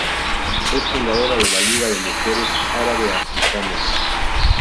Es fundadora de la Liga de Mujeres Árabe-africanas.